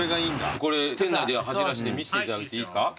これ店内で走らせて見せていただいていいですか？